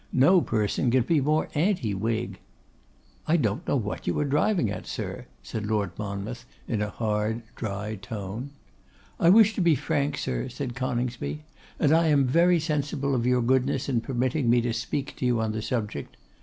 No person can be more anti Whig.' 'I don't know what you are driving at, sir,' said Lord Monmouth, in a hard, dry tone. 'I wish to be frank, sir,' said Coningsby, 'and am very sensible of your goodness in permitting me to speak to you on the subject.